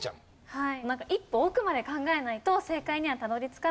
はい。